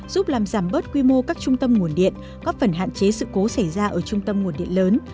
giúp làm giảm bớt quy mô các trung tâm nguồn điện góp phần hạn chế sự cố xảy ra ở trung tâm nguồn điện lớn